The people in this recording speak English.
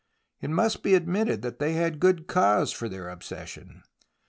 It must be admitted that they had good cause for their obsession.